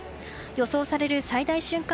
予想される最大瞬間